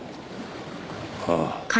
ああ。